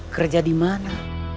kerja di mana